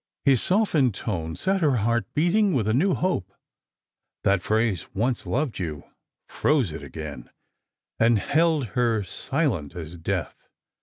His softened tone set her heart beating with a new hope. That phrase, " once loved you," froze it again, and held her silent as death.